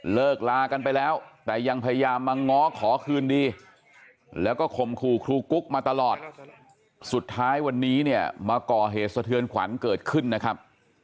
เลิกลากันไปแล้วแต่ยังพยายามมาง้อขอคืนดีแล้วก็ข่มขู่ครูกุ๊กมาตลอดสุดท้ายวันนี้เนี่ยมาก่อเหตุสะเทือนขวัญเกิดขึ้นนะครับ